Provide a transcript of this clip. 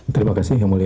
terima kasih yang mulia